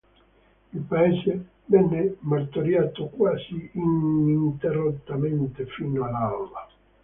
Il paese venne martoriato quasi ininterrottamente fino all'alba.